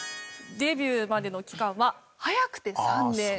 デビューまでの期間は早くて３年。